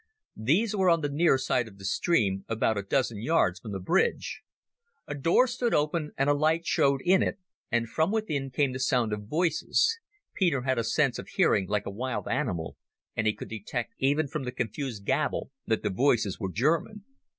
These were on the near side of the stream, about a dozen yards from the bridge. A door stood open and a light showed in it, and from within came the sound of voices.... Peter had a sense of hearing like a wild animal, and he could detect even from the confused gabble that the voices were German.